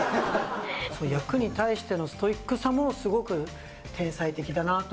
役に対してのストイックさも、すごく天才的だなと。